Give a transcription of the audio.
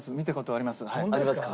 ありますか。